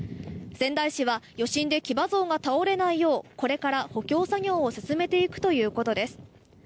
仙台市は余震で騎馬像が倒れないようこれから補強作業を進めていくということです。